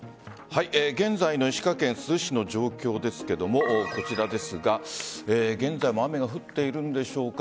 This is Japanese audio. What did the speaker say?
現在の石川県珠洲市の状況ですが現在も雨が降っているんでしょうか